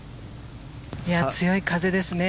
強い風ですね。